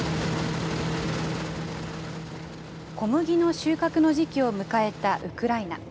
小麦の収穫の時期を迎えたウクライナ。